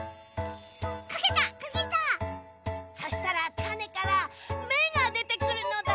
そしたらたねからめがでてくるのだ。